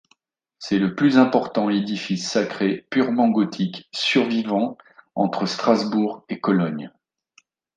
C'est le plus important édifice sacré purement gothique survivant entre Strasbourg et Cologne.